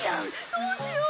どうしよう！